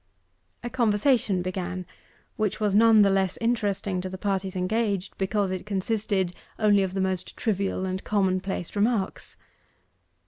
A conversation began, which was none the less interesting to the parties engaged because it consisted only of the most trivial and commonplace remarks.